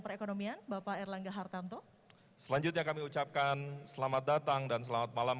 perekonomian bapak erlangga hartanto selanjutnya kami ucapkan selamat datang dan selamat malam